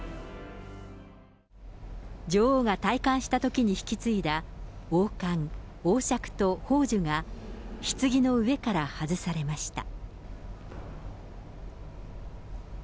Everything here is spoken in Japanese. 女王が戴冠したときに引き継いだ王冠、王しゃくと宝珠が、ひつぎの上から外されました。